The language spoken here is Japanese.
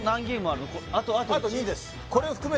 あと２です